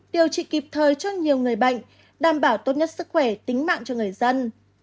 điều trị kịp thời cho nhiều người bệnh đảm bảo tốt nhất sức khỏe tính mạng cho người dân